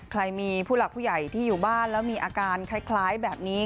ใครมีผู้หลักผู้ใหญ่ที่อยู่บ้านแล้วมีอาการคล้ายแบบนี้